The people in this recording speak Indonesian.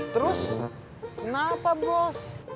terus kenapa bos